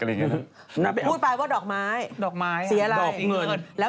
เราไปไหนก็จะลงว่าแทก